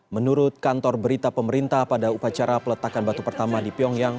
menurut kantor berita pemerintah pada upacara peletakan batu pertama di pyongyang